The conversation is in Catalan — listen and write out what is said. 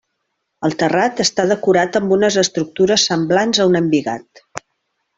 El terrat està decorat amb unes estructures semblants a un embigat.